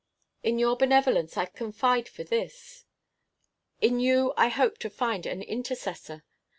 In your benevolence I confide for this. In you I hope to find an intercessor.